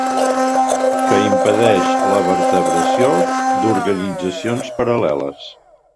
Que impedeix la vertebració d'organitzacions paral·leles.